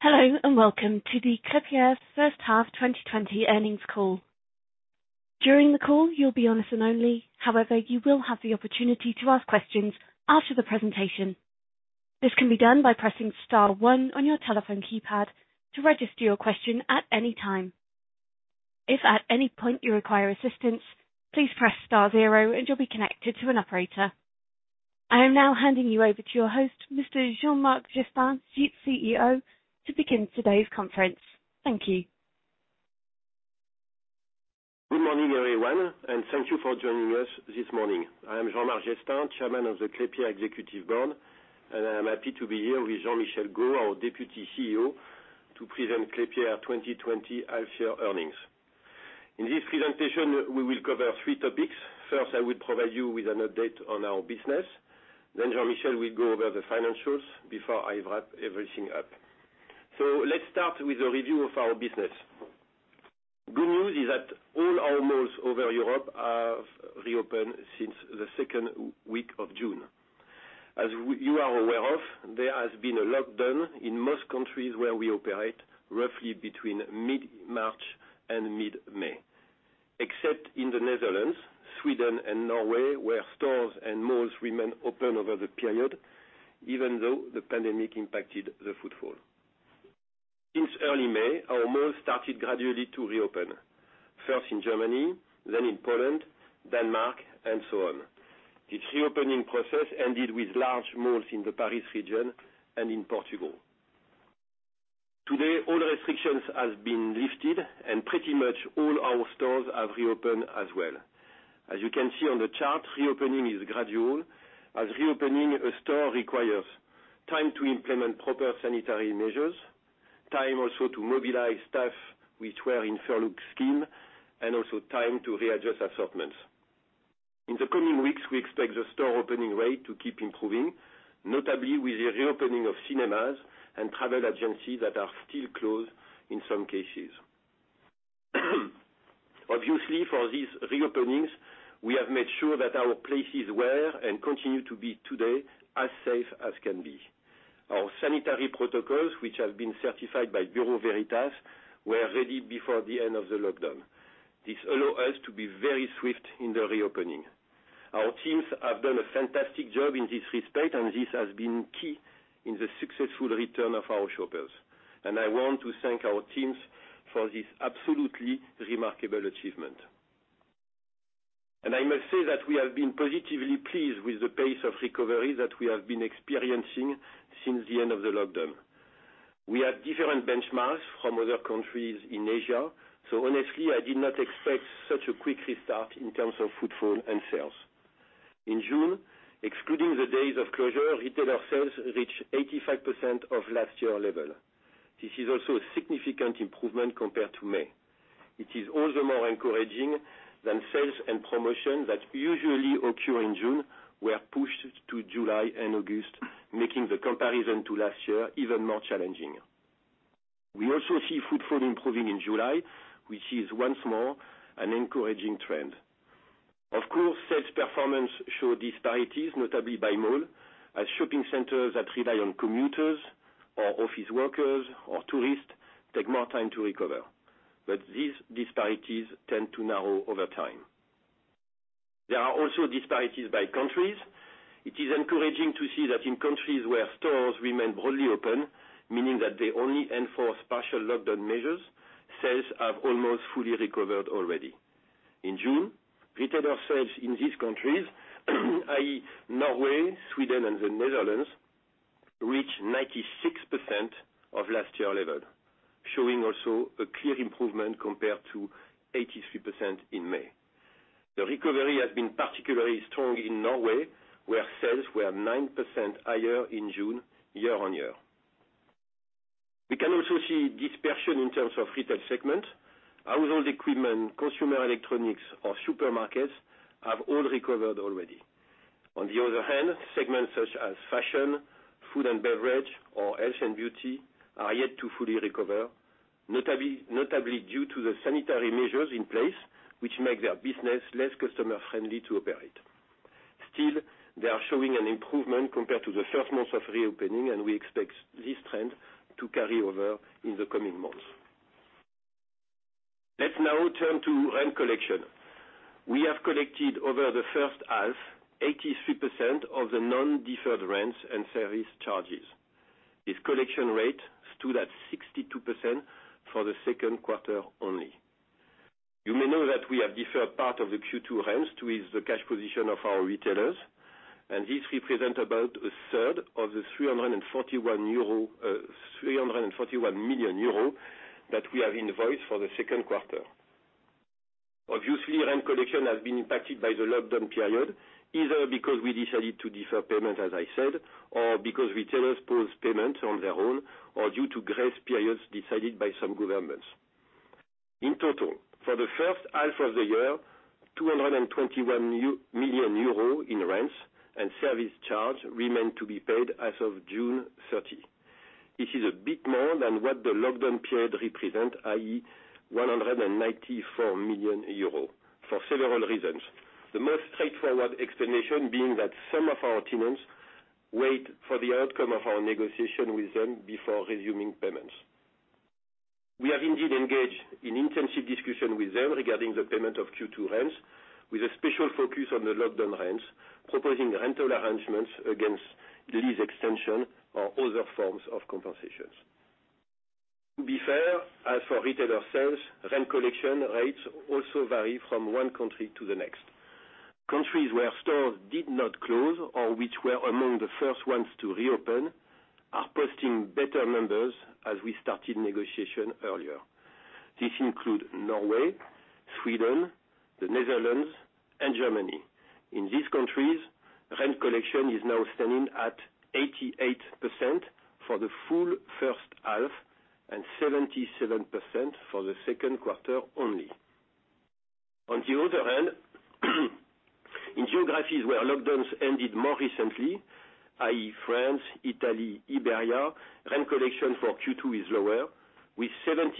Hello, welcome to the Klépierre first half 2020 earnings call. During the call, you'll be on listen only. You will have the opportunity to ask questions after the presentation. This can be done by pressing star one on your telephone keypad to register your question at any time. If at any point you require assistance, please press star zero and you'll be connected to an operator. I am now handing you over to your host, Mr. Jean-Marc Jestin, Chief CEO, to begin today's conference. Thank you. Good morning, everyone. Thank you for joining us this morning. I am Jean-Marc Jestin, Chairman of the Klépierre Executive Board, and I am happy to be here with Jean-Michel Gault, our Deputy CEO, to present Klépierre 2020 half year earnings. In this presentation, we will cover three topics. First, I will provide you with an update on our business. Jean-Michel will go over the financials before I wrap everything up. Let's start with a review of our business. Good news is that all our malls over Europe have reopened since the second week of June. As you are aware of, there has been a lockdown in most countries where we operate, roughly between mid-March and mid-May. Except in the Netherlands, Sweden, and Norway, where stores and malls remain open over the period, even though the pandemic impacted the footfall. Since early May, our malls started gradually to reopen, first in Germany, then in Poland, Denmark, and so on. The reopening process ended with large malls in the Paris region and in Portugal. Today, all restrictions have been lifted and pretty much all our stores have reopened as well. As you can see on the chart, reopening is gradual as reopening a store requires time to implement proper sanitary measures, time also to mobilize staff which were in furlough scheme, and also time to readjust assortments. In the coming weeks, we expect the store opening rate to keep improving, notably with the reopening of cinemas and travel agencies that are still closed in some cases. Obviously, for these reopenings, we have made sure that our places were and continue to be today, as safe as can be. Our sanitary protocols, which have been certified by Bureau Veritas, were ready before the end of the lockdown. This allow us to be very swift in the reopening. Our teams have done a fantastic job in this respect, and this has been key in the successful return of our shoppers. I want to thank our teams for this absolutely remarkable achievement. I must say that we have been positively pleased with the pace of recovery that we have been experiencing since the end of the lockdown. We have different benchmarks from other countries in Asia, so honestly, I did not expect such a quick restart in terms of footfall and sales. In June, excluding the days of closure, retailer sales reached 85% of last year level. This is also a significant improvement compared to May. It is also more encouraging than sales and promotions that usually occur in June were pushed to July and August, making the comparison to last year even more challenging. We also see footfall improving in July, which is once more an encouraging trend. Sales performance show disparities, notably by mall, as shopping centers that rely on commuters or office workers or tourists take more time to recover. These disparities tend to narrow over time. There are also disparities by countries. It is encouraging to see that in countries where stores remain broadly open, meaning that they only enforce partial lockdown measures, sales have almost fully recovered already. In June, retailer sales in these countries, i.e., Norway, Sweden, and the Netherlands, reached 96% of last year level, showing also a clear improvement compared to 83% in May. The recovery has been particularly strong in Norway, where sales were 9% higher in June, year-on-year. We can also see dispersion in terms of retail segment. Household equipment, consumer electronics, or supermarkets have all recovered already. On the other hand, segments such as fashion, food and beverage or health and beauty are yet to fully recover, notably due to the sanitary measures in place, which make their business less customer friendly to operate. Still, they are showing an improvement compared to the first months of reopening, and we expect this trend to carry over in the coming months. Let's now turn to rent collection. We have collected over the first half, 83% of the non-deferred rents and service charges. This collection rate stood at 62% for the second quarter only. You may know that we have deferred part of the Q2 rents with the cash position of our retailers, this represent about a third of the 341 million euro that we have invoiced for the second quarter. Obviously, rent collection has been impacted by the lockdown period, either because we decided to defer payment, as I said, or because retailers paused payment on their own or due to grace periods decided by some governments. In total, for the first half of the year, 221 million euro in rents and service charge remain to be paid as of June 30. This is a bit more than what the lockdown period represent, i.e., 194 million euros, for several reasons. The most straightforward explanation being that some of our tenants wait for the outcome of our negotiation with them before resuming payments. We have indeed engaged in intensive discussion with them regarding the payment of Q2 rents, with a special focus on the lockdown rents, proposing rental arrangements against lease extension or other forms of compensations. To be fair, as for retailer sales, rent collection rates also vary from one country to the next. Countries where stores did not close or which were among the first ones to reopen are posting better numbers as we started negotiation earlier. This include Norway, Sweden, the Netherlands, and Germany. In these countries, rent collection is now standing at 88% for the full first half and 77% for the second quarter only. On the other hand, in geographies where lockdowns ended more recently, i.e., France, Italy, Iberia, rent collection for Q2 is lower, with 76%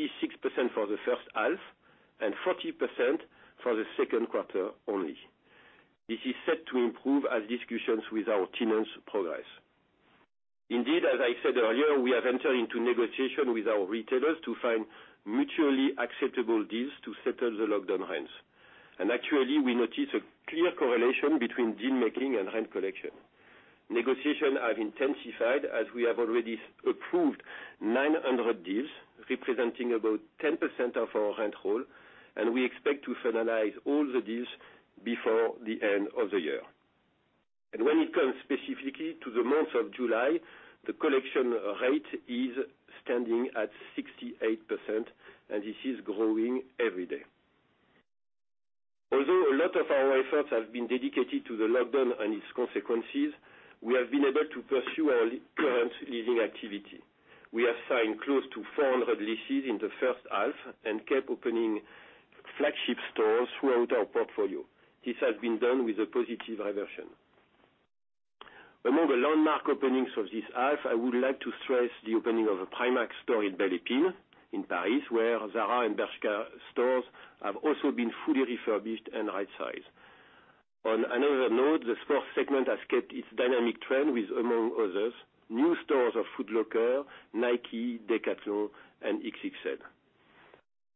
for the first half and 40% for the second quarter only. This is set to improve as discussions with our tenants progress. Indeed, as I said earlier, we have entered into negotiation with our retailers to find mutually acceptable deals to settle the lockdown rents. Actually, we notice a clear correlation between deal-making and rent collection. Negotiation have intensified as we have already approved 900 deals, representing about 10% of our rent roll, and we expect to finalize all the deals before the end of the year. When it comes specifically to the month of July, the collection rate is standing at 68%, and this is growing every day. Although a lot of our efforts have been dedicated to the lockdown and its consequences, we have been able to pursue our current leasing activity. We have signed close to 400 leases in the first half and kept opening flagship stores throughout our portfolio. This has been done with a positive reversion. Among the landmark openings of this half, I would like to stress the opening of a Primark store in Belle Epine in Paris, where Zara and Bershka stores have also been fully refurbished and right sized. On another note, the sports segment has kept its dynamic trend with, among others, new stores of Foot Locker, Nike, Decathlon, and XXL.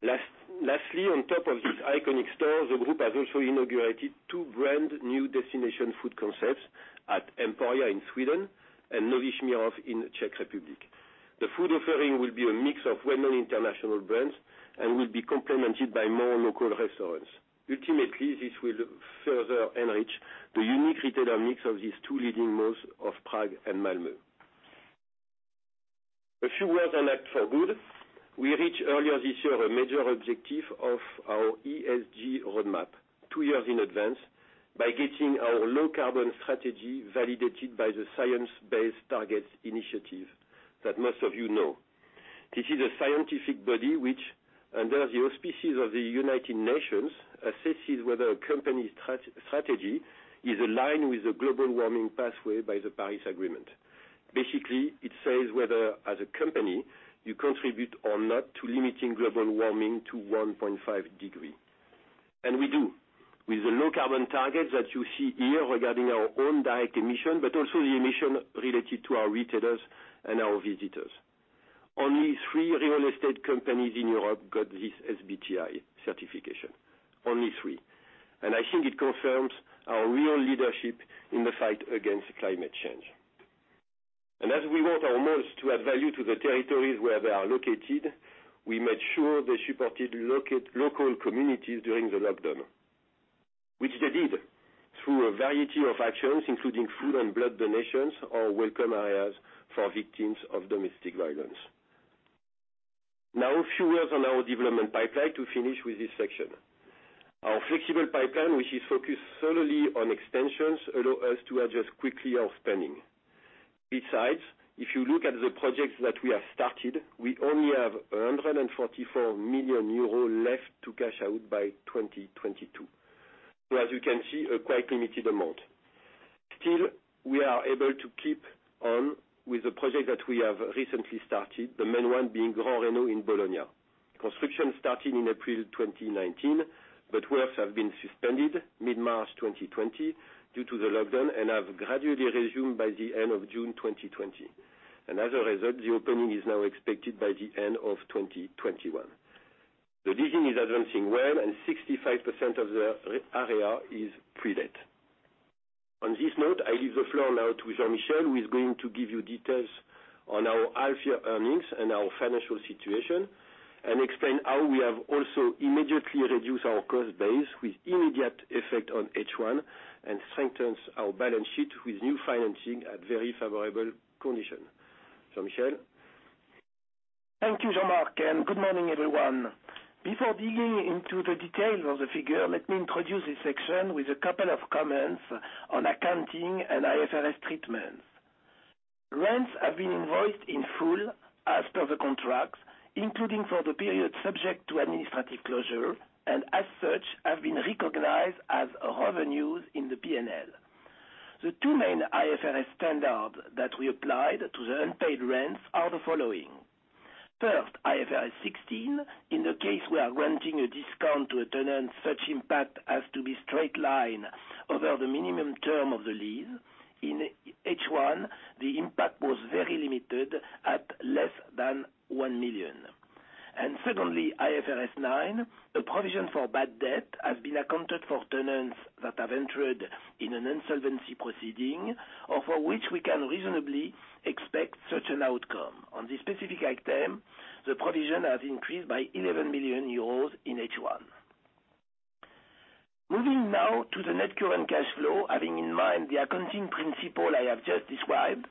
Lastly, on top of these iconic stores, the group has also inaugurated two brand new destination food concepts at Emporia in Sweden and Nový Smíchov in Czech Republic. The food offering will be a mix of well-known international brands and will be complemented by more local restaurants. Ultimately, this will further enrich the unique retailer mix of these two leading malls of Prague and Malmö. A few words on Act for Good. We reached earlier this year a major objective of our ESG roadmap two years in advance by getting our low carbon strategy validated by the Science Based Targets initiative that most of you know. This is a scientific body which, under the auspices of the United Nations, assesses whether a company's strategy is aligned with the global warming pathway by the Paris Agreement. Basically, it says whether, as a company, you contribute or not to limiting global warming to 1.5 degree. We do with the low carbon targets that you see here regarding our own direct emission, but also the emission related to our retailers and our visitors. Only three real estate companies in Europe got this SBTi certification. Only three. I think it confirms our real leadership in the fight against climate change. As we want our malls to add value to the territories where they are located, we made sure they supported local communities during the lockdown, which they did through a variety of actions, including food and blood donations or welcome areas for victims of domestic violence. A few words on our development pipeline to finish with this section. Our flexible pipeline, which is focused solely on extensions, allow us to adjust quickly our spending. If you look at the projects that we have started, we only have 144 million euro left to cash out by 2022. As you can see, a quite limited amount. We are able to keep on with the project that we have recently started, the main one being Gran Reno in Bologna. Construction starting in April 2019, but works have been suspended mid-March 2020 due to the lockdown and have gradually resumed by the end of June 2020. As a result, the opening is now expected by the end of 2021. The leasing is advancing well, and 65% of the area is prelet. On this note, I leave the floor now to Jean-Michel, who is going to give you details on our half year earnings and our financial situation and explain how we have also immediately reduced our cost base with immediate effect on H1 and strengthens our balance sheet with new financing at very favorable condition. Jean-Michel? Thank you, Jean-Marc, and good morning, everyone. Before digging into the details of the figure, let me introduce this section with a couple of comments on accounting and IFRS treatments. Rents have been invoiced in full as per the contracts, including for the period subject to administrative closure, as such, have been recognized as our revenues in the P&L. The two main IFRS standards that we applied to the unpaid rents are the following. First, IFRS 16. In the case we are granting a discount to a tenant, such impact has to be straight line over the minimum term of the lease. In H1, the impact was very limited at less than 1 million. Secondly, IFRS 9, a provision for bad debt has been accounted for tenants that have entered in an insolvency proceeding, or for which we can reasonably expect such an outcome. On this specific item, the provision has increased by 11 million euros in H1. Moving now to the net current cash flow, having in mind the accounting principle I have just described,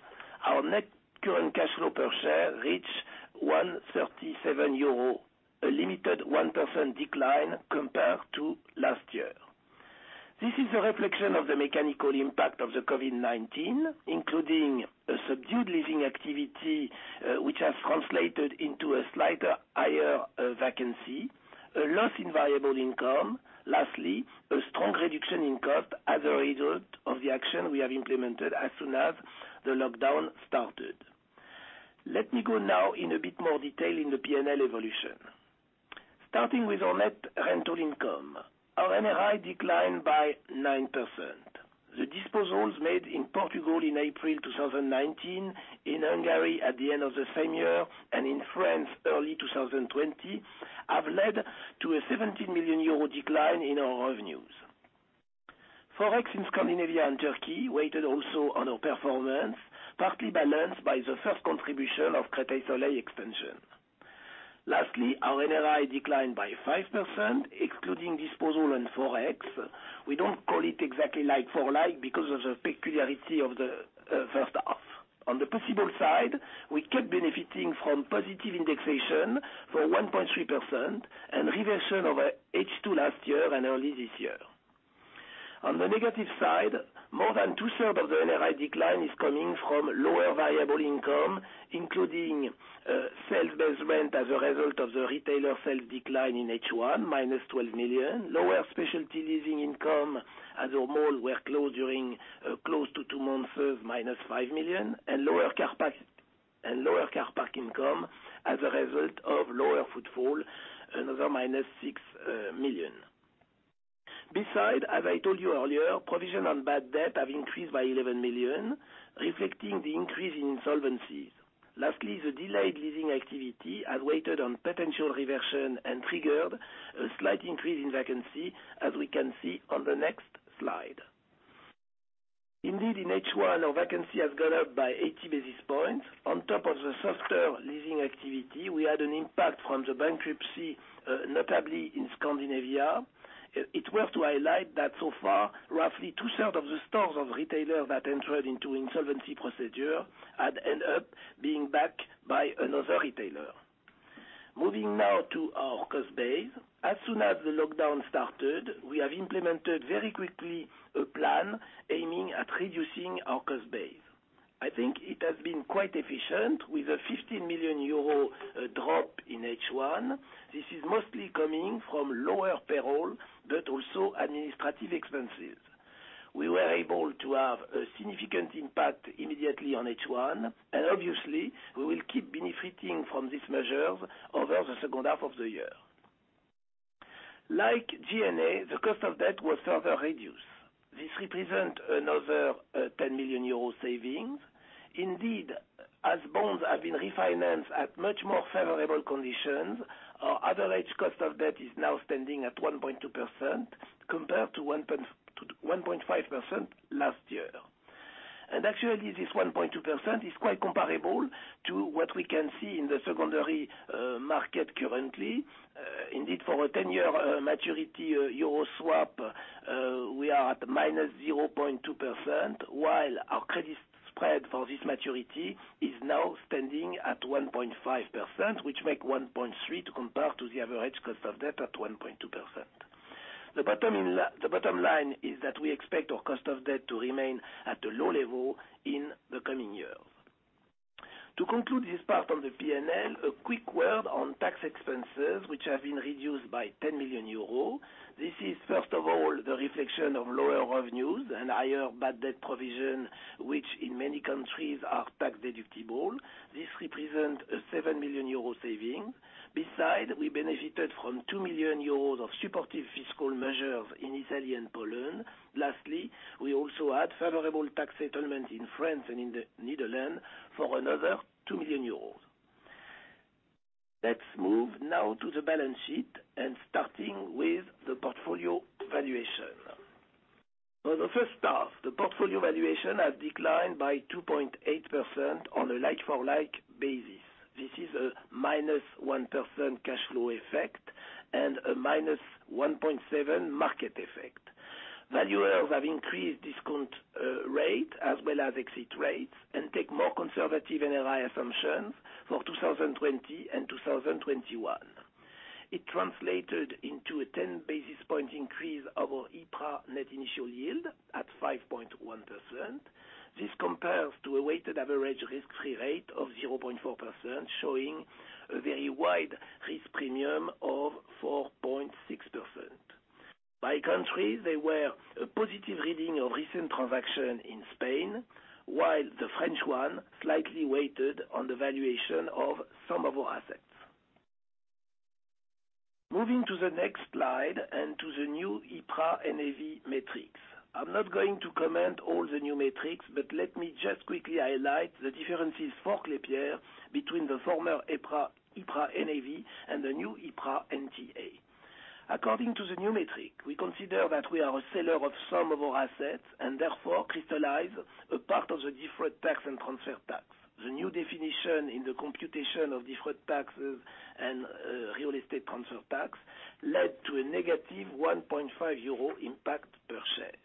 our net current cash flow per share reached 1.37 euro, a limited 1% decline compared to last year. This is a reflection of the mechanical impact of the COVID-19, including a subdued leasing activity, which has translated into a slightly higher vacancy, a loss in variable income. Lastly, a strong reduction in cost as a result of the action we have implemented as soon as the lockdown started. Let me go now in a bit more detail in the P&L evolution. Starting with our net rental income. Our NRI declined by 9%. The disposals made in Portugal in April 2019, in Hungary at the end of the same year, and in France early 2020, have led to a 17 million euro decline in our revenues. Forex in Scandinavia and Turkey weighed also on our performance, partly balanced by the first contribution of Créteil Soleil extension. Lastly, our NRI declined by 5%, excluding disposal and Forex. We don't call it exactly like-for-like because of the peculiarity of the first half. On the possible side, we kept benefiting from positive indexation for 1.3%, and reversion over H2 last year and early this year. On the negative side, more than two-thirds of the NRI decline is coming from lower variable income, including sales-based rent as a result of the retailer sales decline in H1, -12 million, lower specialty leasing income as our malls were closed during close to two months, -5 million, and lower car park income as a result of lower footfall, another -6 million. Beside, as I told you earlier, provision on bad debt have increased by 11 million, reflecting the increase in insolvencies. Lastly, the delayed leasing activity has awaited on potential reversion and triggered a slight increase in vacancy, as we can see on the next slide. Indeed, in H1, our vacancy has gone up by 80 basis points. On top of the softer leasing activity, we had an impact from the bankruptcy, notably in Scandinavia. It's worth to highlight that so far, roughly two-thirds of the stores of retailers that entered into insolvency procedure had end up being backed by another retailer. Moving now to our cost base. As soon as the lockdown started, we have implemented very quickly a plan aiming at reducing our cost base. I think it has been quite efficient with a 15 million euro drop in H1. This is mostly coming from lower payroll, but also administrative expenses. We were able to have a significant impact immediately on H1, and obviously, we will keep benefiting from these measures over the second half of the year. Like G&A, the cost of debt was further reduced. This represents another 10 million euro savings. Indeed, as bonds have been refinanced at much more favorable conditions, our average cost of debt is now standing at 1.2%, compared to 1.5% last year. Actually, this 1.2% is quite comparable to what we can see in the secondary market currently. Indeed, for a 10-year maturity euro swap, we are at -0.2%, while our credit spread for this maturity is now standing at 1.5%, which make 1.3 to compare to the average cost of debt at 1.2%. The bottom line is that we expect our cost of debt to remain at a low level in the coming year. To conclude this part on the P&L, a quick word on tax expenses, which have been reduced by 10 million euros. This is, first of all, the reflection of lower revenues and higher bad debt provision, which in many countries are tax deductible. This represents a 7 million euro saving. Besides, we benefited from 2 million euros of supportive fiscal measures in Italy and Poland. Lastly, we also had favorable tax settlement in France and in the Netherlands for another 2 million euros. Let's move now to the balance sheet, and starting with the portfolio valuation. For the first half, the portfolio valuation has declined by 2.8% on a like-for-like basis. This is a -1% cash flow effect and a -1.7% market effect. Valuers have increased discount rate as well as exit rates and take more conservative NRI assumptions for 2020 and 2021. It translated into a 10 basis points increase of our EPRA net initial yield at 5.1%. A weighted average risk-free rate of 0.4%, showing a very wide risk premium of 4.6%. By country, there were a positive reading of recent transaction in Spain, while the French one slightly weighed on the valuation of some of our assets. Moving to the next slide and to the new EPRA NAV metrics. I'm not going to comment all the new metrics, let me just quickly highlight the differences for Klépierre between the former EPRA NAV and the new EPRA NTA. According to the new metric, we consider that we are a seller of some of our assets and therefore crystallize a part of the deferred tax and transfer tax. The new definition in the computation of deferred taxes and real estate transfer tax led to a -1.5 euro impact per share.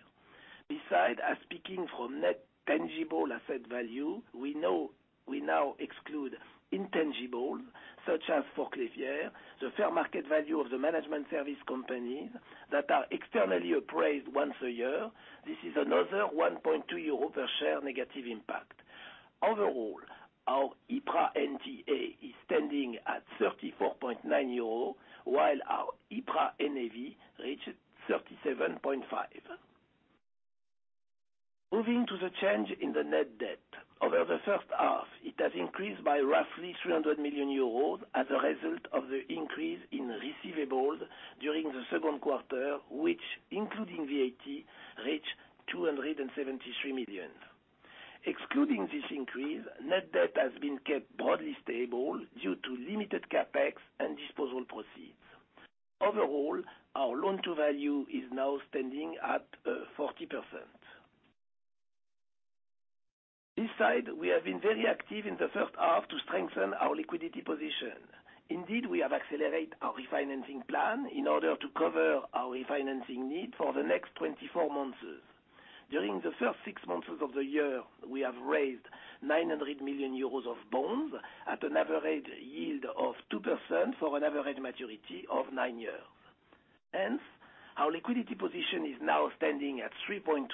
Besides, as speaking from net tangible asset value, we now exclude intangibles such as for Klépierre, the fair market value of the management service companies that are externally appraised once a year. This is another 1.2 euro per share negative impact. Overall, our EPRA NTA is standing at 34.9 euro while our EPRA NAV reached 37.5. Moving to the change in the net debt. Over the first half, it has increased by roughly 300 million euros as a result of the increase in receivables during the second quarter, which including VAT, reached 273 million. Excluding this increase, net debt has been kept broadly stable due to limited CapEx and disposal proceeds. Overall, our loan to value is now standing at 40%. This side, we have been very active in the first half to strengthen our liquidity position. Indeed, we have accelerated our refinancing plan in order to cover our refinancing need for the next 24 months. During the first six months of the year, we have raised 900 million euros of bonds at an average yield of 2% for an average maturity of nine years. Hence, our liquidity position is now standing at 3.1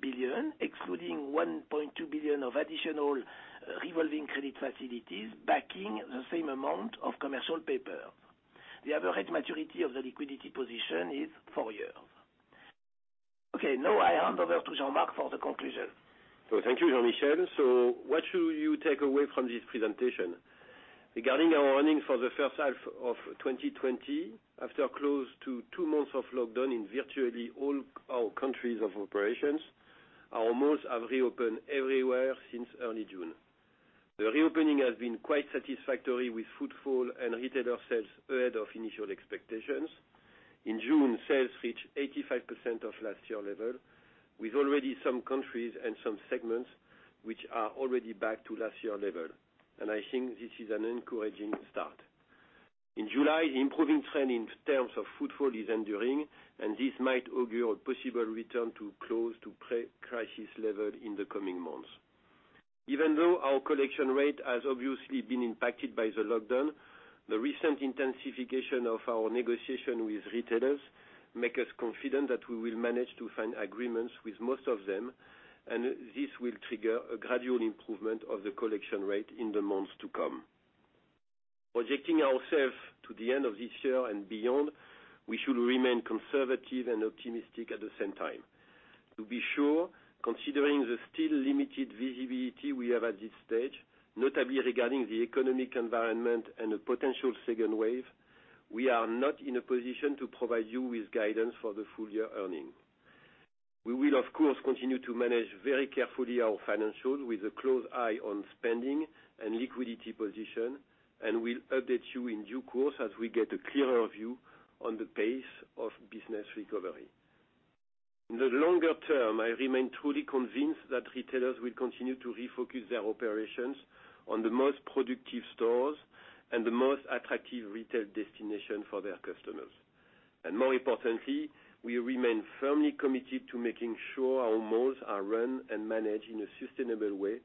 billion, excluding 1.2 billion of additional revolving credit facilities backing the same amount of commercial paper. The average maturity of the liquidity position is four years. Okay, now I hand over to Jean-Marc for the conclusion. Thank you, Jean-Michel. What should you take away from this presentation? Regarding our earnings for the first half of 2020, after close to two months of lockdown in virtually all our countries of operations, our malls have reopened everywhere since early June. The reopening has been quite satisfactory with footfall and retailer sales ahead of initial expectations. In June, sales reached 85% of last year level, with already some countries and some segments which are already back to last year level. I think this is an encouraging start. In July, the improving trend in terms of footfall is enduring, and this might augur a possible return to close to pre-crisis level in the coming months. Even though our collection rate has obviously been impacted by the lockdown, the recent intensification of our negotiation with retailers make us confident that we will manage to find agreements with most of them, and this will trigger a gradual improvement of the collection rate in the months to come. Projecting ourselves to the end of this year and beyond, we should remain conservative and optimistic at the same time. To be sure, considering the still limited visibility we have at this stage, notably regarding the economic environment and a potential second wave, we are not in a position to provide you with guidance for the full year earnings. We will, of course, continue to manage very carefully our financials with a close eye on spending and liquidity position, and we'll update you in due course as we get a clearer view on the pace of business recovery. In the longer term, I remain truly convinced that retailers will continue to refocus their operations on the most productive stores and the most attractive retail destination for their customers. More importantly, we remain firmly committed to making sure our malls are run and managed in a sustainable way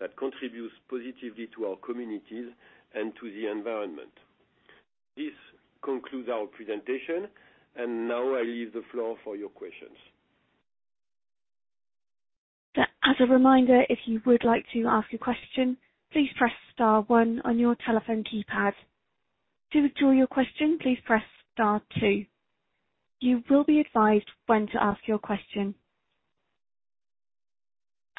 that contributes positively to our communities and to the environment. This concludes our presentation, and now I leave the floor for your questions. As a reminder, if you would like to ask a question, please press star one on your telephone keypad. To withdraw your question, please press star two. You will be advised when to ask your question.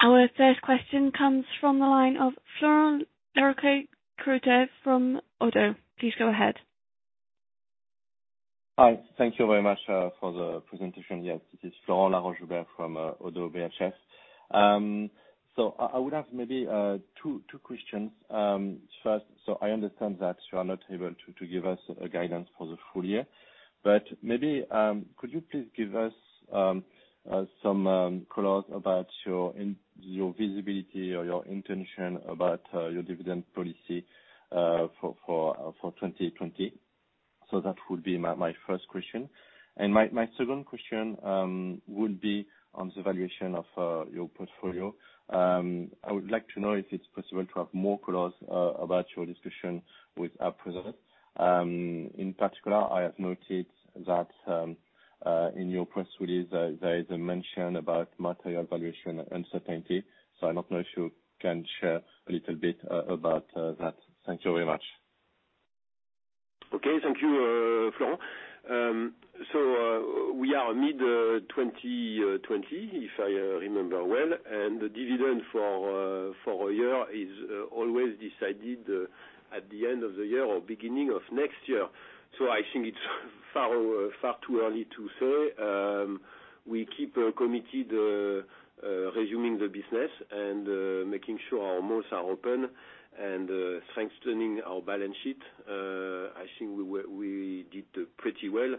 Our first question comes from the line of Florent Laroche-Joubert from ODDO. Please go ahead. Hi. Thank you very much for the presentation. Yes, this is Florent Laroche-Joubert from ODDO BHF. I would have maybe two questions. First, I understand that you are not able to give us a guidance for the full year, but maybe, could you please give us some colors about your visibility or your intention about your dividend policy, for 2020? That would be my first question. My second question would be on the valuation of your portfolio. I would like to know if it's possible to have more colors about your discussion with appraisers. In particular, I have noted that in your press release, there is a mention about material valuation uncertainty. I don't know if you can share a little bit about that. Thank you very much. Thank you, Florent. We are mid-2020, if I remember well, and the dividend for a year is always decided at the end of the year or beginning of next year. I think it's far too early to say. We keep committed resuming the business and making sure our malls are open and strengthening our balance sheet. I think we did pretty well,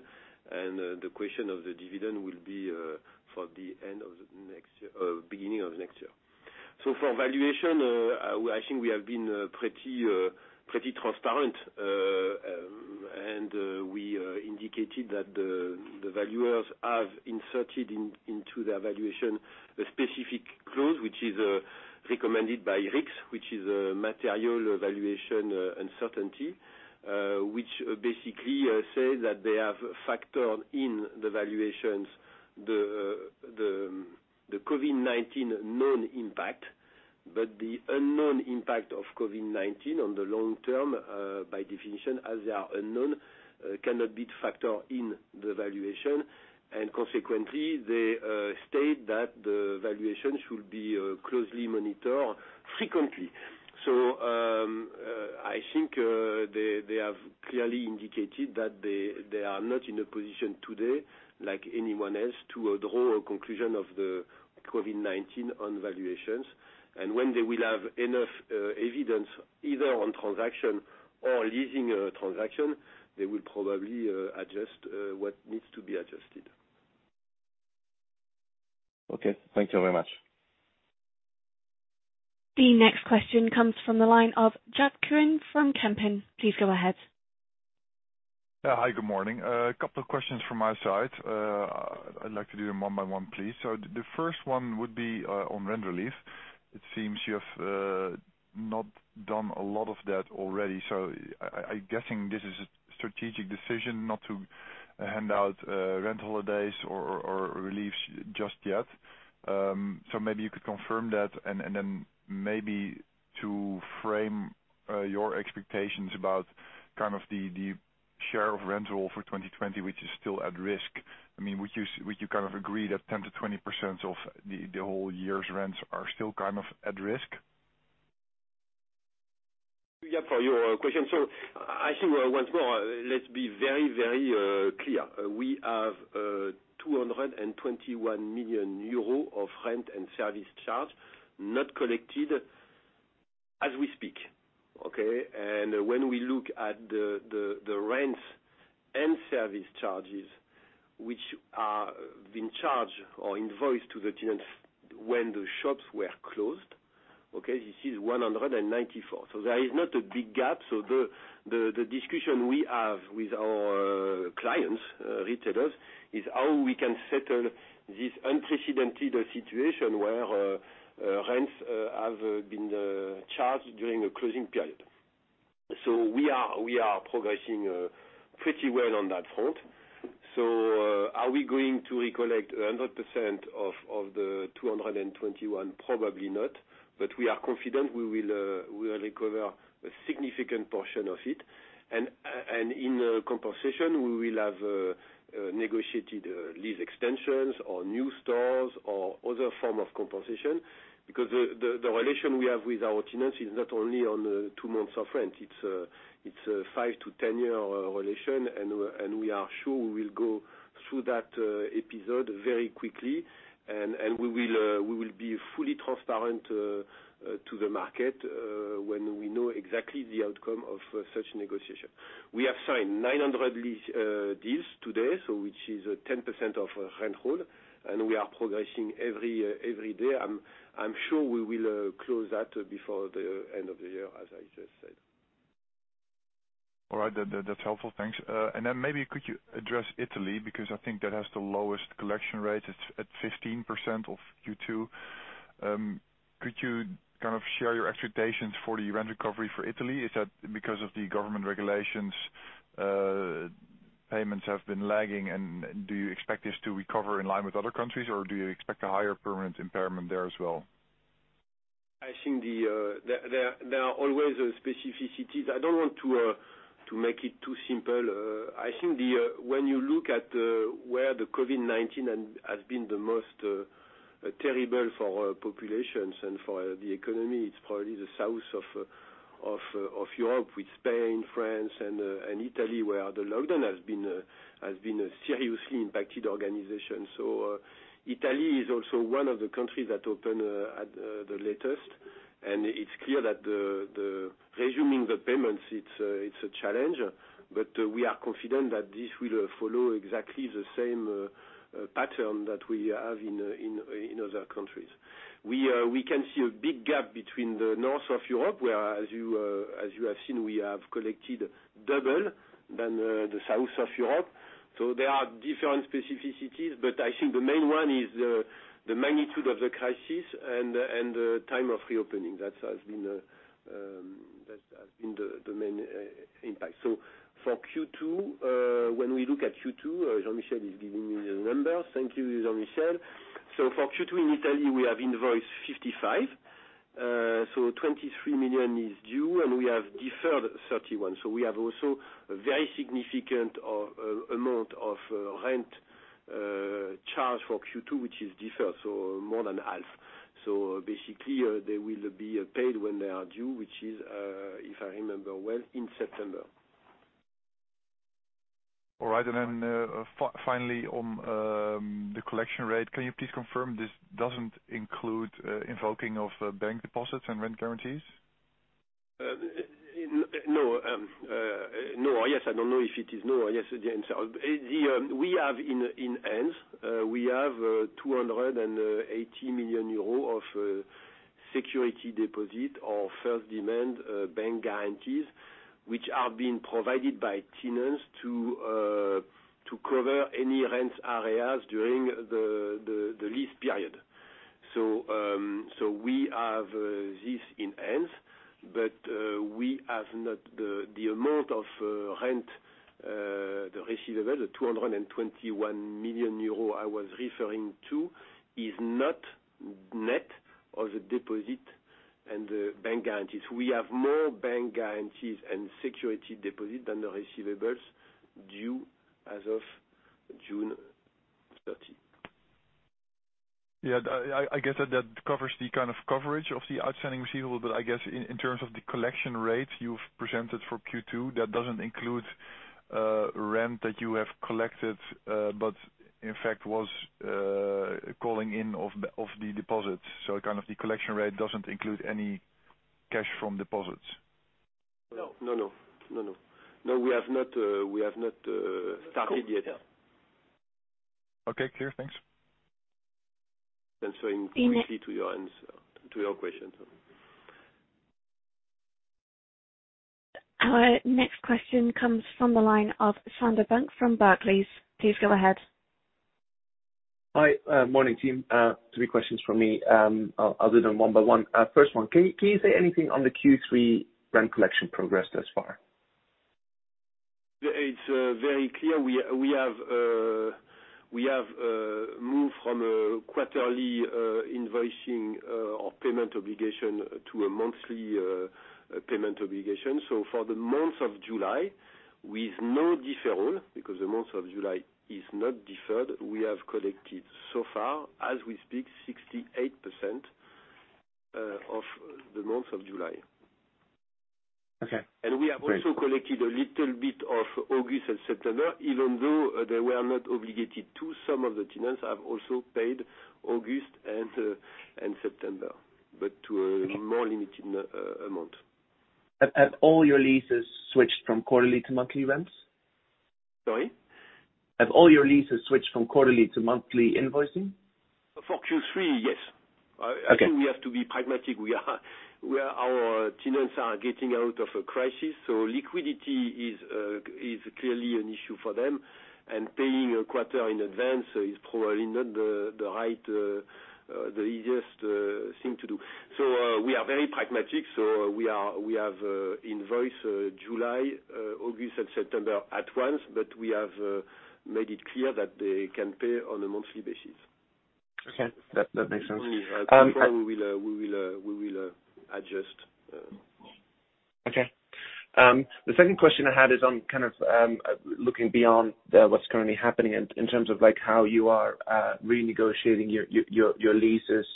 and the question of the dividend will be for the beginning of next year. For valuation, I think we have been pretty transparent. We indicated that the valuers have inserted into the valuation the specific clause, which is recommended by RICS, which is a material valuation uncertainty, which basically says that they have factored in the valuations the COVID-19 known impact. The unknown impact of COVID-19 on the long term, by definition, as they are unknown, cannot be factored in the valuation. Consequently, they state that the valuation should be closely monitored frequently. I think they have clearly indicated that they are not in a position today, like anyone else, to draw a conclusion of the COVID-19 on valuations. When they will have enough evidence, either on transaction or leasing transaction, they will probably adjust what needs to be adjusted. Okay. Thank you very much. The next question comes from the line of Jaap Kuin from Kempen. Please go ahead. Yeah. Hi, good morning. A couple of questions from my side. I'd like to do them one by one, please. The first one would be on rent relief. It seems you have not done a lot of that already. I'm guessing this is a strategic decision not to hand out rent holidays or reliefs just yet. Maybe you could confirm that, and then maybe to frame your expectations about the share of rental for 2020, which is still at risk. Would you agree that 10%-20% of the whole year's rents are still at risk? Yeah, for your question. I think once more, let's be very clear. We have 221 million euros of rent and service charge not collected as we speak. Okay? When we look at the rents and service charges which are being charged or invoiced to the tenants when the shops were closed, okay, this is 194 million. There is not a big gap. The discussion we have with our clients, retailers, is how we can settle this unprecedented situation where rents have been charged during a closing period. We are progressing pretty well on that front. Are we going to recollect 100% of the 221 million? Probably not, but we are confident we will recover a significant portion of it. In compensation, we will have negotiated lease extensions or new stores or other form of compensation because the relation we have with our tenants is not only on two months of rent, it's a 5-10-year relation, and we are sure we will go through that episode very quickly, and we will be fully transparent to the market when we know exactly the outcome of such negotiation. We have signed 900 lease deals today, which is 10% of rent roll, and we are progressing every day. I'm sure we will close that before the end of the year, as I just said. All right. That's helpful. Thanks. Maybe could you address Italy, because I think that has the lowest collection rate. It's at 15% of Q2. Could you share your expectations for the rent recovery for Italy? Is that because of the government regulations, payments have been lagging, do you expect this to recover in line with other countries, or do you expect a higher permanent impairment there as well? I think there are always specificities. I don't want to make it too simple. I think when you look at where the COVID-19 has been the most terrible for populations and for the economy, it's probably the south of Europe with Spain, France, and Italy, where the lockdown has been a seriously impacted organization. Italy is also one of the countries that opened at the latest, and it's clear that resuming the payments, it's a challenge. We are confident that this will follow exactly the same pattern that we have in other countries. We can see a big gap between the north of Europe, where, as you have seen, we have collected double than the south of Europe. There are different specificities, but I think the main one is the magnitude of the crisis and the time of reopening. That has been the main impact. For Q2, when we look at Q2, Jean-Michel is giving me the numbers. Thank you, Jean-Michel. For Q2 in Italy, we have invoiced 55. 23 million is due, and we have deferred 31. We have also a very significant amount of rent charge for Q2, which is deferred, so more than half. Basically, they will be paid when they are due, which is, if I remember well, in September. All right. Finally, on the collection rate, can you please confirm this doesn't include invoking of bank deposits and rent guarantees? No. Yes, I don't know if it is no or yes, the answer. We have in hands 280 million euro of security deposit or first demand bank guarantees, which are being provided by tenants to cover any rents arrears during the lease period. We have this in hands, but the amount of rent, the receivable, the 221 million euros I was referring to is not net of the deposit and the bank guarantees. We have more bank guarantees and security deposit than the receivables due as of June 30. Yeah. I guess that covers the kind of coverage of the outstanding receivable, but I guess in terms of the collection rate you've presented for Q2, that doesn't include rent that you have collected, but in fact was calling in of the deposits. Kind of the collection rate doesn't include any cash from deposits. No. We have not started yet. Okay, clear. Thanks. Answering quickly to your question. Our next question comes from the line of Sander Bunck from Barclays. Please go ahead. Hi. Morning, team. Three questions from me, I'll do them one by one. First one, can you say anything on the Q3 rent collection progress thus far? It's very clear. We have moved from a quarterly invoicing or payment obligation to a monthly payment obligation. For the month of July, with no deferral, because the month of July is not deferred, we have collected so far, as we speak, 68% of the month of July. Okay. Great. We have also collected a little bit of August and September. Even though they were not obligated to, some of the tenants have also paid August and September, but to a more limited amount. Have all your leases switched from quarterly to monthly rents? Sorry? Have all your leases switched from quarterly to monthly invoicing? For Q3, yes. Okay. I think we have to be pragmatic. Our tenants are getting out of a crisis, liquidity is clearly an issue for them, and paying a quarter in advance is probably not the easiest thing to do. We are very pragmatic. We have invoiced July, August, and September at once, but we have made it clear that they can pay on a monthly basis. Okay. That makes sense. We will adjust. Okay. The second question I had is on kind of looking beyond what's currently happening in terms of how you are renegotiating your leases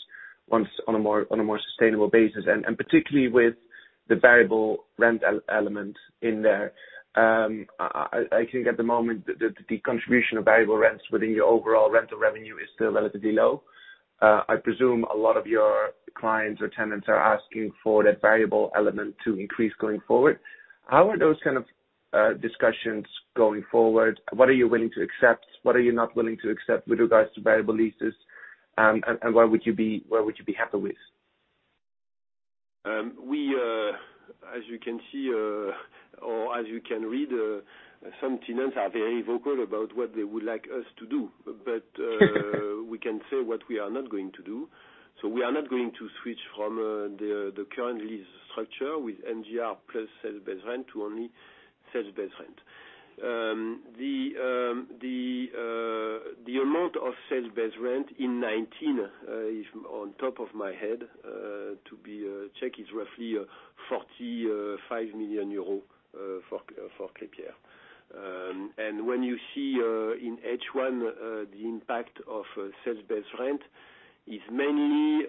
on a more sustainable basis, particularly with the variable rent element in there. I think at the moment, the contribution of variable rents within your overall rental revenue is still relatively low. I presume a lot of your clients or tenants are asking for that variable element to increase going forward. How are those kind of discussions going forward? What are you willing to accept? What are you not willing to accept with regards to variable leases? What would you be happy with? As you can see, or as you can read, some tenants are very vocal about what they would like us to do. We can say what we are not going to do. We are not going to switch from the current lease structure with MGR plus sales-based rent to only sales-based rent. The amount of sales-based rent in 2019, on top of my head, to be checked, is roughly EUR 45 million for Klépierre. When you see in H1, the impact of sales-based rent is mainly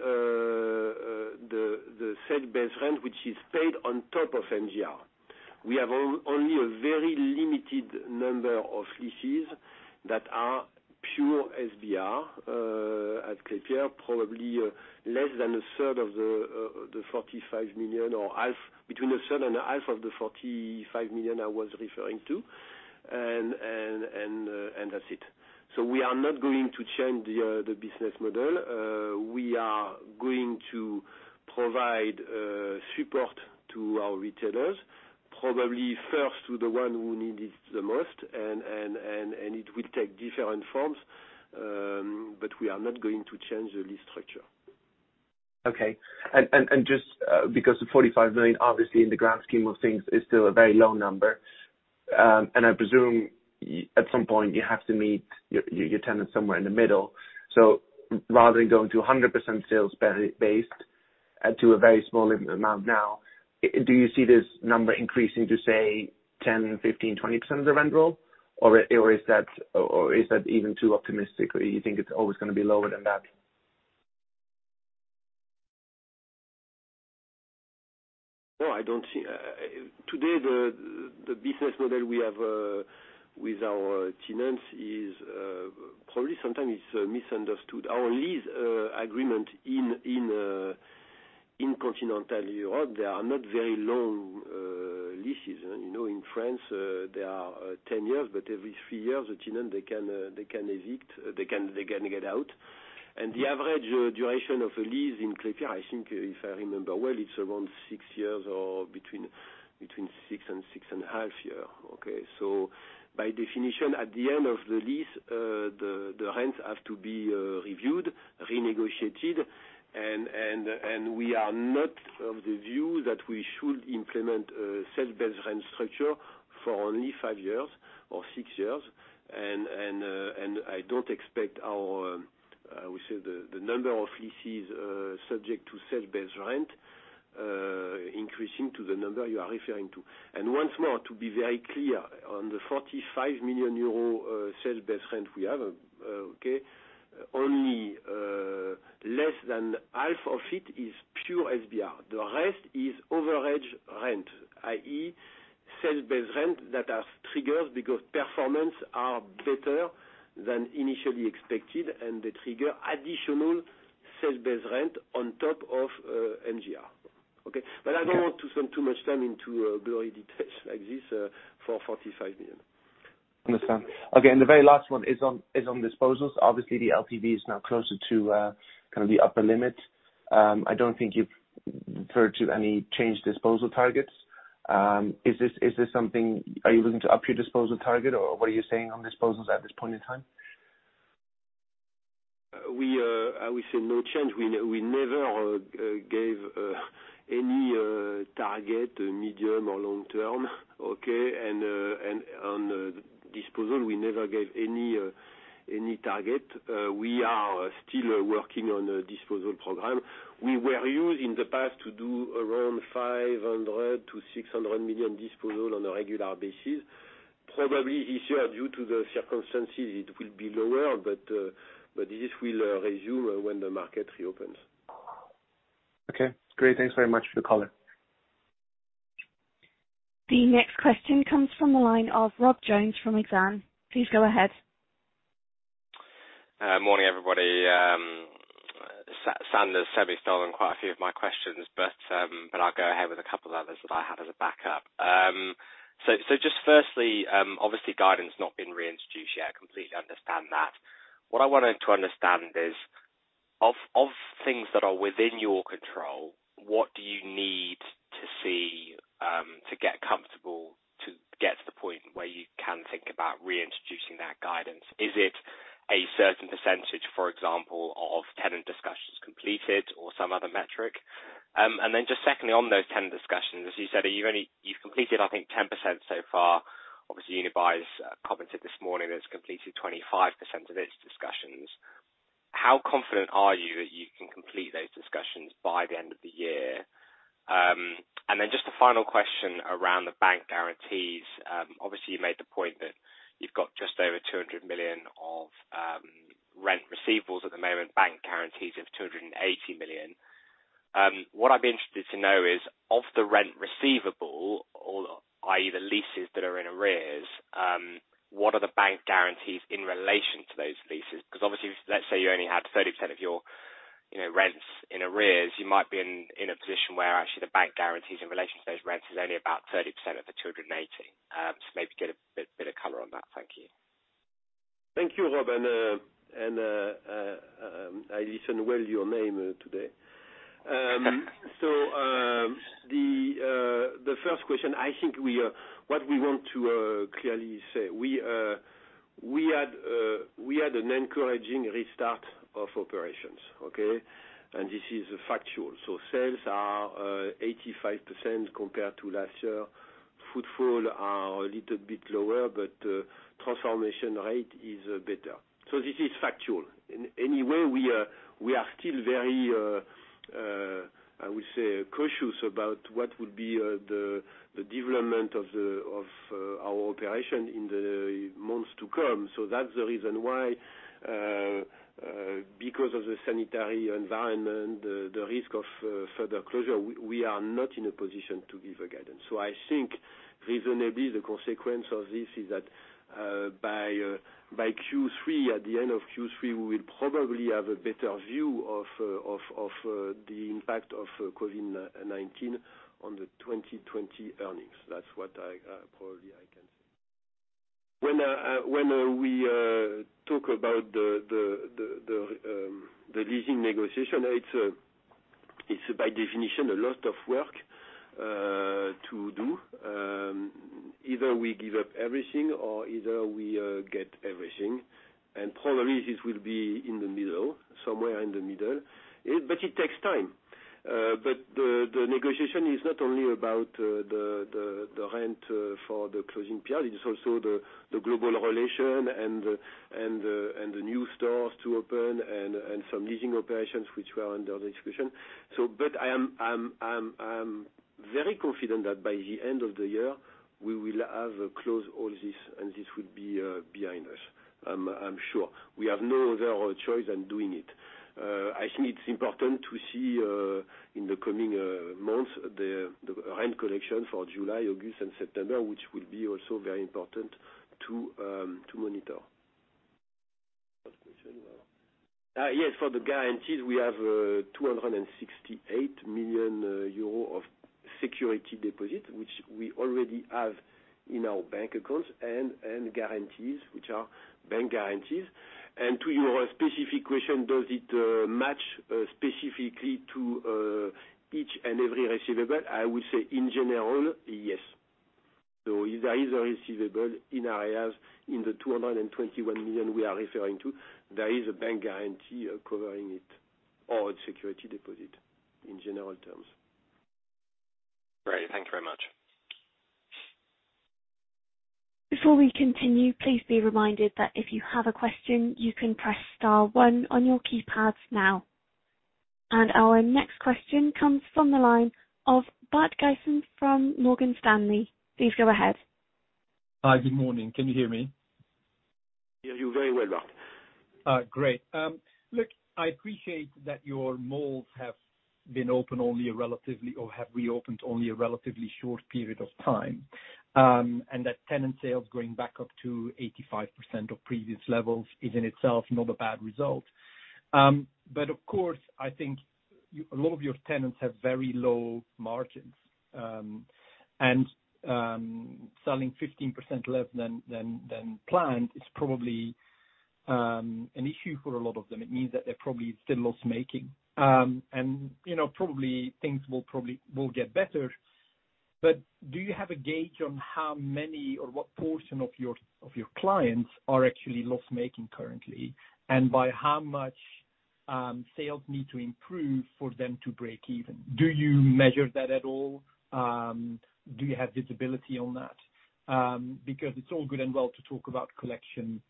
the sales-based rent, which is paid on top of MGR. We have only a very limited number of leases that are pure SBR at Klépierre, probably less than 1/3 of the 45 million, or between a third and a half of the 45 million I was referring to, and that's it. We are not going to change the business model. We are going to provide support to our retailers, probably first to the one who need it the most, and it will take different forms. We are not going to change the lease structure. Okay. Just because the 45 million, obviously, in the grand scheme of things, is still a very low number. I presume at some point you have to meet your tenant somewhere in the middle. Rather than going to 100% sales-based to a very small amount now, do you see this number increasing to, say, 10%, 15%, 20% of the rent roll? Is that even too optimistic? You think it's always going to be lower than that? No, I don't see. Today, the business model we have with our tenants probably sometimes is misunderstood. Our lease agreement in Continental Europe, they are not very long leases. In France, they are 10 years, but every three years, the tenant, they can get out. The average duration of a lease in Klépierre, I think if I remember well, it's around six years or between six and 6.5 years. By definition, at the end of the lease, the rents have to be reviewed, renegotiated, and we are not of the view that we should implement a sales-based rent structure for only five years or six years. I don't expect the number of leases subject to sales-based rent increasing to the number you are referring to. Once more, to be very clear, on the 45 million euro sales-based rent we have, okay, only less than half of it is pure SBR. The rest is overage rent, i.e., sales-based rent that are triggered because performance are better than initially expected, and they trigger additional sales-based rent on top of MGR. Okay. Okay. I don't want to spend too much time into blurry details like this for 45 million. Understand. Okay, the very last one is on disposals. Obviously, the LTV is now closer to kind of the upper limit. I don't think you've referred to any changed disposal targets. Are you looking to up your disposal target, or what are you saying on disposals at this point in time? I would say no change. We never gave any target, medium or long term. Okay? On disposal, we never gave any target. We are still working on a disposal program. We were used in the past to do around 500 million-600 million disposal on a regular basis. Probably this year, due to the circumstances, it will be lower, but this will resume when the market reopens. Okay, great. Thanks very much for the color. The next question comes from the line of Rob Jones from Exane. Please go ahead. Morning, everybody. Sander's semi stolen quite a few of my questions, but I'll go ahead with a couple of others that I had as a backup. Just firstly, obviously guidance has not been reintroduced yet. I completely understand that. What I wanted to understand is, of things that are within your control, what do you need to see to get comfortable to get to the point where you can think about reintroducing that guidance? Is it a certain percentage, for example, of tenant discussions completed or some other metric? Just secondly, on those tenant discussions, as you said, you've completed, I think, 10% so far. Obviously, Unibail-Rodamco-Westfield's commented this morning that it's completed 25% of its discussions. How confident are you that you can complete those discussions by the end of the year? Just a final question around the bank guarantees. Obviously, you made the point that you've got just over 200 million of rent receivables at the moment, bank guarantees of 280 million. What I'd be interested to know is, of the rent receivable, i.e., the leases that are in arrears, what are the bank guarantees in relation to those leases? Obviously, let's say you only had 30% of your rents in arrears, you might be in a position where actually the bank guarantees in relation to those rents is only about 30% of the 280 million. Maybe get a bit of color on that. Thank you. Thank you, Rob. I listen well your name today. The first question, I think what we want to clearly say, we had an encouraging restart of operations. This is factual. Sales are 85% compared to last year. Footfall are a little bit lower, but transformation rate is better. This is factual. In any way, we are still very, I would say, cautious about what would be the development of our operation in the months to come. That's the reason why, because of the sanitary environment, the risk of further closure, we are not in a position to give a guidance. I think reasonably, the consequence of this is that by Q3, at the end of Q3, we will probably have a better view of the impact of COVID-19 on the 2020 earnings. That's what probably I can say. When we talk about the leasing negotiation, it's by definition a lot of work to do. Either we give up everything, or either we get everything, probably this will be somewhere in the middle. It takes time. The negotiation is not only about the rent for the closing period, it is also the global relation and the new stores to open and some leasing operations which were under the execution. I am very confident that by the end of the year, we will have closed all this, and this would be behind us. I'm sure. We have no other choice than doing it. I think it's important to see, in the coming months, the rent collection for July, August, and September, which will be also very important to monitor. Last question. Yes, for the guarantees, we have 268 million euro of security deposit, which we already have in our bank accounts, and guarantees, which are bank guarantees. To your specific question, does it match specifically to each and every receivable? I would say, in general, yes. If there is a receivable in our areas in the 221 million we are referring to, there is a bank guarantee covering it, or a security deposit, in general terms. Great. Thank you very much. Before we continue, please be reminded that if you have a question, you can press star one on your keypads now. Our next question comes from the line of Bart Gysens from Morgan Stanley. Please go ahead. Hi. Good morning. Can you hear me? Hear you very well, Bart. Great. Look, I appreciate that your malls have been open only relatively or have reopened only a relatively short period of time, and that tenant sales going back up to 85% of previous levels is, in itself, not a bad result. Of course, I think a lot of your tenants have very low margins. Selling 15% less than planned is probably an issue for a lot of them. It means that they're probably still loss-making. Probably things will get better, but do you have a gauge on how many or what portion of your clients are actually loss-making currently, and by how much sales need to improve for them to break even? Do you measure that at all? Do you have visibility on that? It's all good and well to talk about collection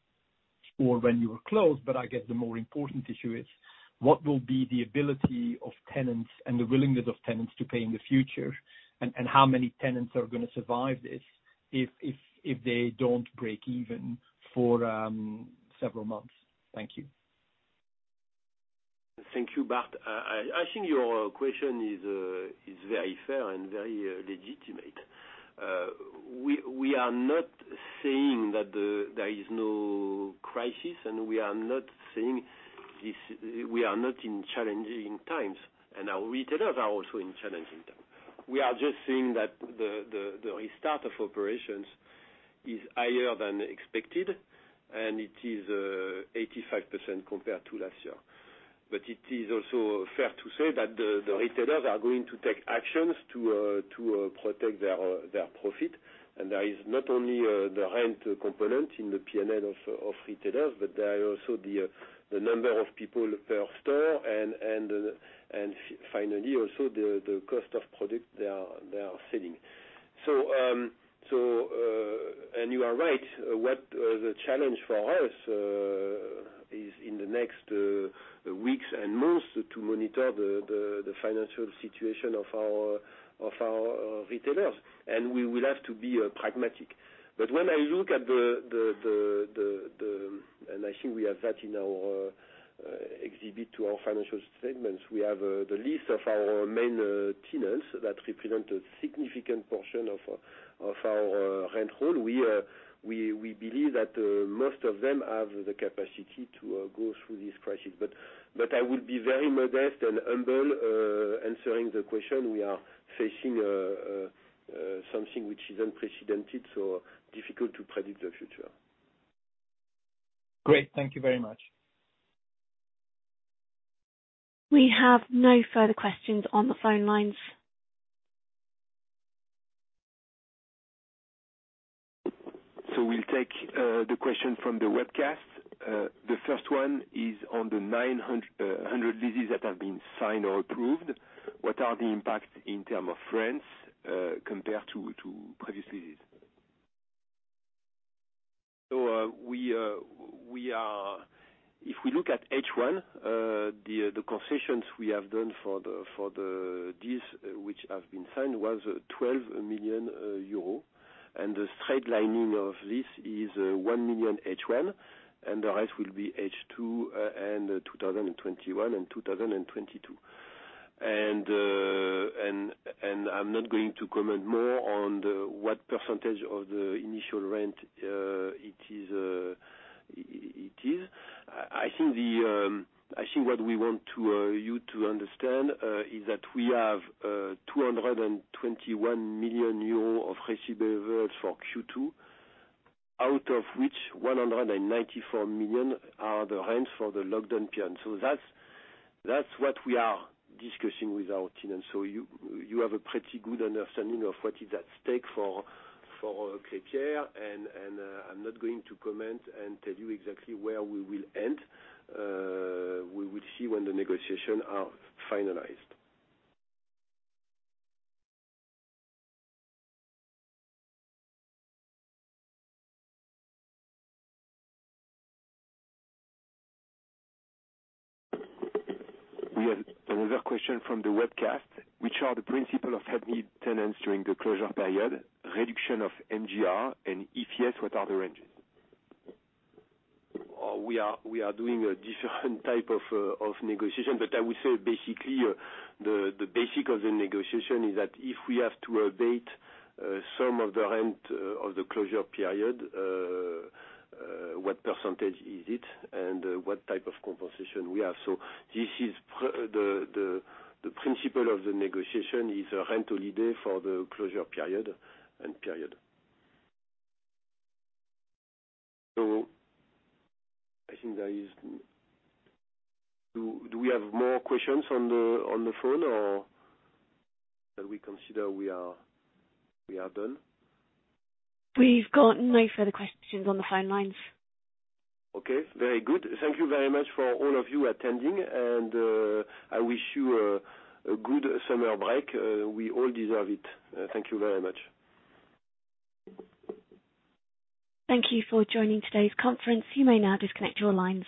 or when you were closed, but I guess the more important issue is, what will be the ability of tenants and the willingness of tenants to pay in the future, and how many tenants are going to survive this if they don't break even for several months? Thank you. Thank you, Bart. I think your question is very fair and very legitimate. We are not saying that there is no crisis. We are not saying we are not in challenging times. Our retailers are also in challenging times. We are just saying that the restart of operations is higher than expected, and it is 85% compared to last year. It is also fair to say that the retailers are going to take actions to protect their profit. There is not only the rent component in the P&L of retailers, but there are also the number of people per store and finally, also the cost of product they are selling. You are right. What the challenge for us is in the next weeks and months to monitor the financial situation of our retailers, and we will have to be pragmatic. When I look at the And I think we have that in our exhibit to our financial statements. We have the list of our main tenants that represent a significant portion of our rent roll. We believe that most of them have the capacity to go through this crisis. I would be very modest and humble answering the question. We are facing something which is unprecedented, so difficult to predict the future. Great. Thank you very much. We have no further questions on the phone lines. We'll take the question from the webcast. The first one is on the 900 leases that have been signed or approved. What are the impacts in terms of rents, compared to previous leases? If we look at H1, the concessions we have done for this, which have been signed, was 12 million euro, and the straight-lining of this is 1 million H1, and the rest will be H2 and 2021 and 2022. I'm not going to comment more on what percentage of the initial rent it is. I think what we want you to understand is that we have 221 million euro of receivables for Q2, out of which 194 million are the rents for the lockdown period. That's what we are discussing with our tenants. You have a pretty good understanding of what is at stake for Klépierre, and I'm not going to comment and tell you exactly where we will end. We will see when the negotiation are finalized. We have another question from the webcast. Which are the principle of tenants during the closure period, reduction of MGR and EPS, what are the ranges? We are doing a different type of negotiation. I would say basically, the basic of the negotiation is that if we have to abate some of the rent of the closure period, what percentage is it and what type of compensation we have. The principle of the negotiation is a rent holiday for the closure period, end period. Do we have more questions on the phone, or can we consider we are done? We've got no further questions on the phone lines. Okay. Very good. Thank you very much for all of you attending, and I wish you a good summer break. We all deserve it. Thank you very much. Thank you for joining today's conference. You may now disconnect your lines.